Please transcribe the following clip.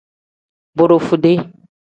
Borofude.